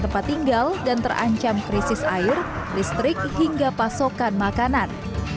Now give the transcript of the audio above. tempat tinggal dan terancam krisis air listrik hingga pasokan makanan